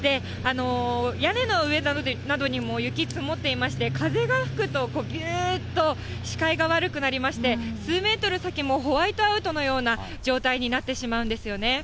屋根の上などにも雪積もっていまして、風が吹くと、びゅーっと視界が悪くなりまして、数メートル先もホワイトアウトのような状態になってしまうんですよね。